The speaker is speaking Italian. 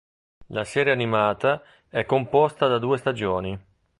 La serie animata è composta da due stagioni.